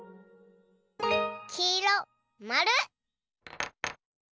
きいろまる！